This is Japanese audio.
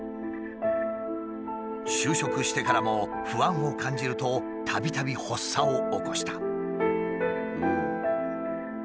就職してからも不安を感じるとたびたび発作を起こした。